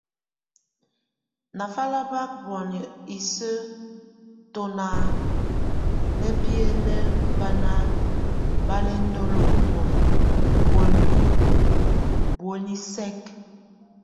Nafalabak mon íse tona nábienebána bálɛndolonum, buendú buenisek.